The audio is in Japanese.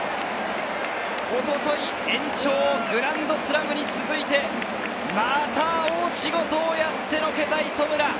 一昨日、延長のグランドスラムに続いて、また大仕事をやってのけた磯村。